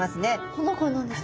この子は何ですか？